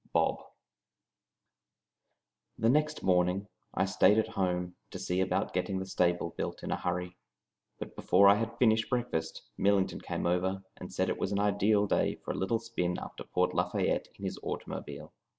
"BOB" THE next morning I stayed at home to see about getting the stable built in a hurry, but before I had finished breakfast Millington came over and said it was an ideal day for a little spin up to Port Lafayette in his automobile.